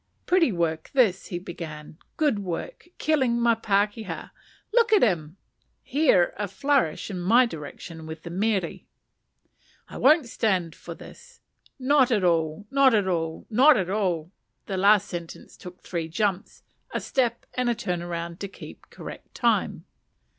"Pretty work this," he began, "good work; killing my pakeha: look at him! (here a flourish in my direction with the mere.) I won't stand this; not at all! not at all! not at all! (the last sentence took three jumps, a step, and a turn round, to keep correct time.)